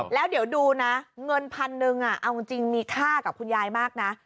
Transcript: แล้วเดี๋ยวดูนะเงินพันหนึ่งเอาจริงมีค่ากับคุณยายมากนะ